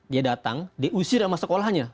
dia datang diusir sama sekolahnya